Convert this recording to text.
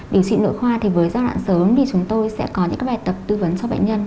điều trị nội khoa thì với giai đoạn sớm thì chúng tôi sẽ có những bài tập tư vấn cho bệnh nhân